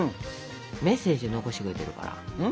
メッセージ残してくれてるから。